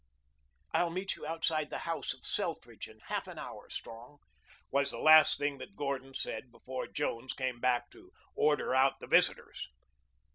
"I'll meet you outside the house of Selfridge in half an hour, Strong," was the last thing that Gordon said before Jones came back to order out the visitors.